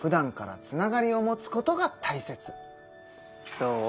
どう？